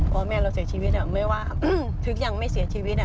พอแม่เราเสียชีวิตไม่ว่าถึงยังไม่เสียชีวิต